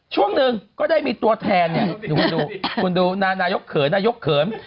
ช่วงหนึ่งก็ได้มีตัวแทนคุณดูนายกเขิน